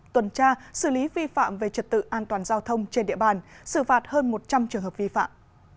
tuần tra xử lý vi phạm về trật tự an toàn giao thông trên địa bàn xử phạt hơn một trăm linh trường hợp vi phạm